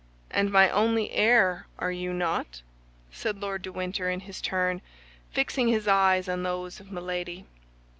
"And my only heir, are you not?" said Lord de Winter in his turn, fixing his eyes on those of Milady.